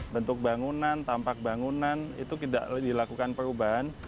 bentuk bangunan tampak bangunan itu tidak dilakukan perubahan